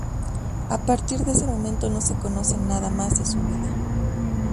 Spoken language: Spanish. A partir de ese momento no se conoce nada más de su vida.